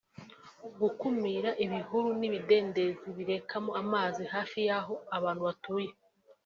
gukumira ibihuru n’ibidendezi birekamo amazi hafi y’aho abantu batuye